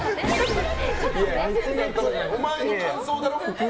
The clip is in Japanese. お前の感想だろ？